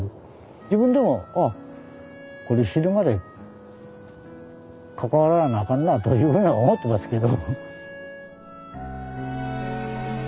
自分でもあっこれ死ぬまで関わらなあかんなあというふうには思ってますけど。